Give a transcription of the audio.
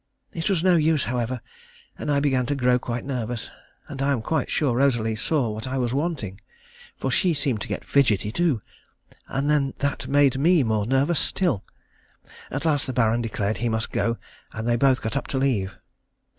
It was no use, however, and I began to grow quite nervous; and I am quite sure Rosalie saw what I was wanting, for she seemed to get fidgety too, and then that made me more nervous still. At last the Baron declared he must go, and they both got up to leave.